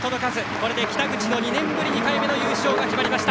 これで北口の２年ぶり２回目の優勝が決まりました。